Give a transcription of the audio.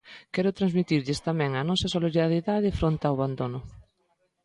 Quero transmitirlles tamén a nosa solidariedade fronte ao abandono.